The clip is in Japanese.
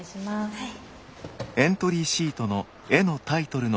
はい。